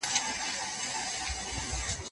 که چيرې موږ نوي وسايل وکاروو توليد به زياتوالی ومومي.